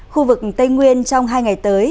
khu vực tây nguyên trong hai ngày tới